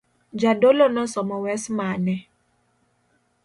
Jadolo nosomo wes mane.